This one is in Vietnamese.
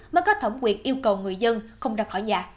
mới có thẩm quyền yêu cầu người dân không ra khỏi nhà